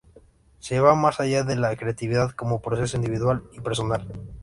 Se va más allá de la creatividad como proceso individual y personal.